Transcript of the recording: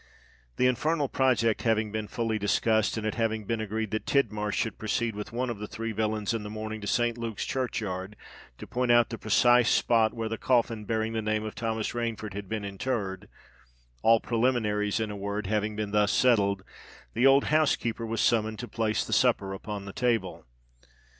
The infernal project having been fully discussed, and it having been agreed that Tidmarsh should proceed with one of the three villains in the morning to Saint Luke's churchyard, to point out the precise spot where the coffin bearing the name of Thomas Rainford had been interred,—all preliminaries, in a word, having been thus settled, the old housekeeper was summoned to place the supper upon the table.